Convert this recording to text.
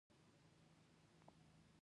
د نجونو تعلیم د کورنۍ پلان جوړونې ښه کوي.